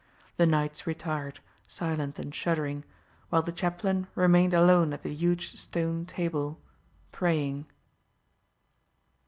The knights retired, silent and shuddering; while the chaplain remained alone at the huge stone table, praying.